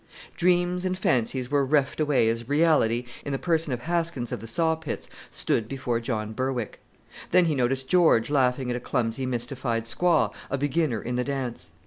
Dreams and fancies were reft away as reality, in the person of Haskins of the saw pits, stood before John Berwick. Then he noticed George laughing at a clumsy mystified squaw, a beginner in the dance.